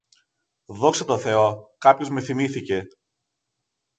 Δόξα τω θεώ, κάποιος με θυμήθηκε